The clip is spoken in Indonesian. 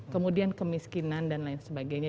kemudian kemiskinan dan lain sebagainya